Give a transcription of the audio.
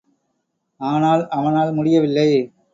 ஆனால் அவனால் முடியவில்லை.